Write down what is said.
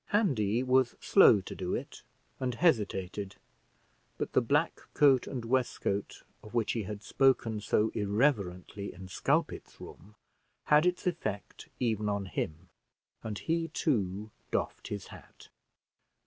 Handy was slow to do it, and hesitated; but the black coat and waistcoat of which he had spoken so irreverently in Skulpit's room, had its effect even on him, and he too doffed his hat.